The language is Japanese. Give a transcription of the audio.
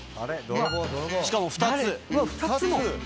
しかも２つ。